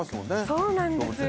そうなんです